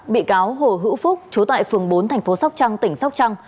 bị cáo hồ hữu phúc trú tại phường bốn tp sóc trăng tỉnh sóc trăng